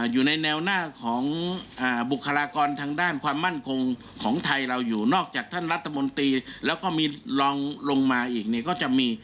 อยู่ในแนวหน้าของบุคลากรทางด้านความมั่นคงของไทยเราอยู่นอกจากท่านรัฐมนตรีแล้วก็มีรองลงมาอีกเนี่ยก็จะมี